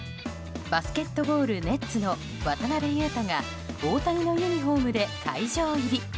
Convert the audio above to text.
バスケットボールネッツの渡邊雄太が大谷のユニホームで会場入り。